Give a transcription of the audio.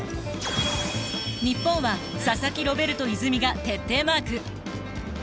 日本は佐々木ロベルト泉が徹底マーク。